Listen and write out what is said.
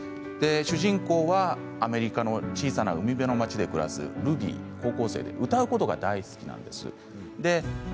主人公はアメリカの小さな海辺の町で暮らす高校生のルビーで歌うことが大好きなんです。